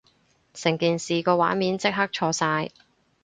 成件事個畫面即刻錯晒